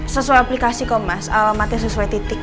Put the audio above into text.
sesuai aplikasi kok mas alamatnya sesuai titik